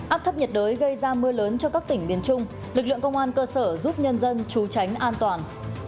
áp thấp nhiệt đới gây ra mưa lớn cho các tỉnh miền trung lực lượng công an cơ sở giúp nhân dân trú tránh an toàn